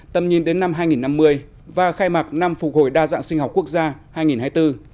tầm nhìn đến năm hai nghìn năm mươi và khai mạc năm phục hồi đa dạng sinh học quốc gia hai nghìn hai mươi bốn